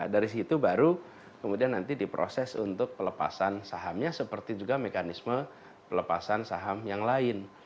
dari situ baru kemudian nanti diproses untuk pelepasan sahamnya seperti juga mekanisme pelepasan saham yang lain